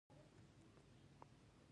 د وړې کولمې دنده په بدن کې څه ده